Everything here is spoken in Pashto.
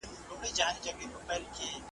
واک په سياست کې مه ناوړه کاروئ.